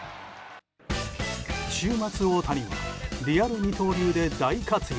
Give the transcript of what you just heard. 週末、大谷はリアル二刀流で大活躍。